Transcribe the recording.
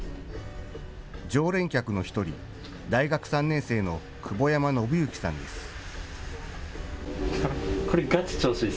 常連客の１人、大学３年生の久保山暢之さんです。